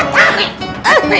sudah mbolak professional line